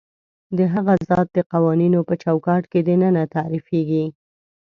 د هغه ذات د قوانینو په چوکاټ کې دننه تعریفېږي.